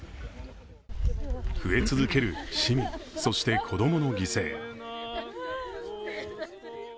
増え続ける市民、そして子供の犠牲